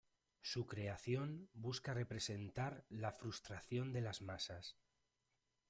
Su creación busca representar la frustración de las masas.